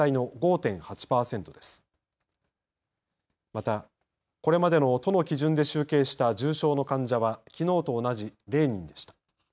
また、これまでの都の基準で集計した重症の患者はきのうと同じ０人でした。